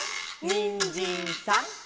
「にんじんさん」